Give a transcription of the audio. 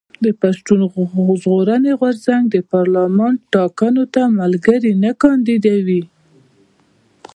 پښتون ژغورني غورځنګ د پارلېمان ټاکنو ته ملګري نه کانديدوي.